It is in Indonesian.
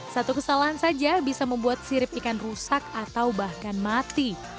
satu kesalahan saja bisa membuat sirip ikan rusak atau bahkan mati